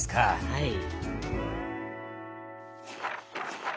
はい。